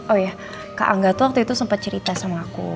oh ya kak angga tuh waktu itu sempat cerita sama aku